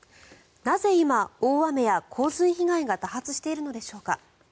なぜ今、大雨や洪水被害が多発しているのでしょうか。